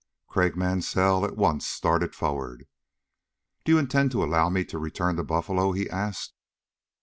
Craik Mansell at once started forward. "Do you intend to allow me to return to Buffalo?" he asked.